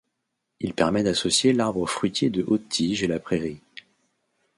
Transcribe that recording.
Il permet d'associer l’arbre fruitier de haute tige et la prairie.